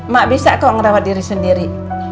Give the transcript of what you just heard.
mak bisa kok ngerawat diri sendiri